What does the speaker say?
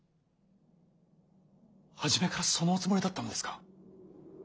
初めからそのおつもりだったのですか。